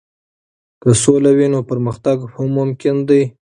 که سوله وي، نو پرمختګ هم ممکن دی.